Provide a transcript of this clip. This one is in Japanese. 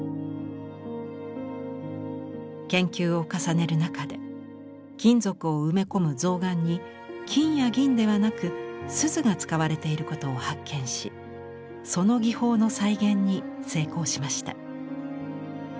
研究を重ねる中で金属を埋め込む象嵌に金や銀ではなく錫が使われていることを発見しその技法の再現に成功しました。